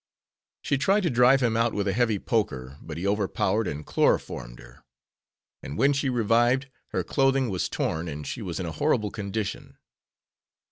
She tried to drive him out with a heavy poker, but he overpowered and chloroformed her, and when she revived her clothing was torn and she was in a horrible condition.